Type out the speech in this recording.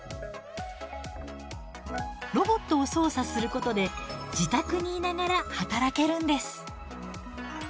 ロボットを操作することで自宅にいながら働けるんです。